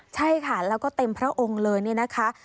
ใช่ค่ะแล้วก็เต็มพระองค์เลยเนี่ยนะคะ